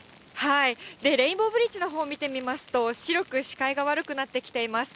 レインボーブリッジのほうを見てみますと、白く視界が悪くなってきています。